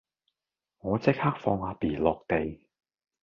我即刻放阿 B 落地